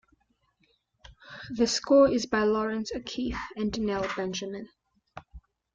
The score is by Laurence O'Keefe and Nell Benjamin.